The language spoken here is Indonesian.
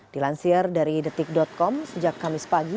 di lansir dari detik com sejak kamis pagi